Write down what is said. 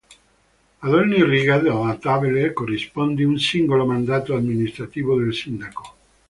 Ad ogni riga delle tabelle corrisponde un singolo mandato amministrativo del sindaco.